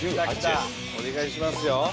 お願いしますよ